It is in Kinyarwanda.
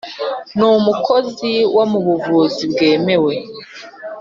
N umukozi wo mu buvuzi wemewe